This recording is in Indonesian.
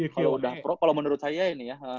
kalo udah pro kalo menurut saya ini ya